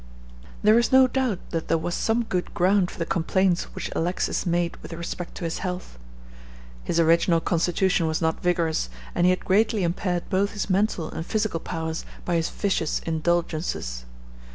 There is no doubt that there was some good ground for the complaints which Alexis made with respect to his health. His original constitution was not vigorous, and he had greatly impaired both his mental and physical powers by his vicious indulgences.